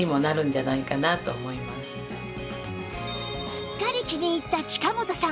すっかり気に入った近本さん